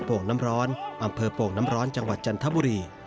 โ่งน้ำร้อนอำเภอโป่งน้ำร้อนจังหวัดจันทบุรี